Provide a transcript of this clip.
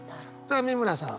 さあ美村さん。